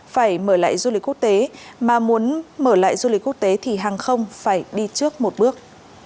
phải mở lại du lịch quốc tế mà muốn mở lại du lịch quốc tế thì hàng không phải đi trước một bước